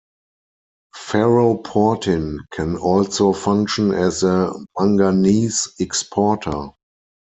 Ferroportin can also function as a manganese exporter.